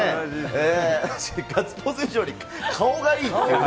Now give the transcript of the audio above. ガッツポーズ以上に顔がいいっていうね。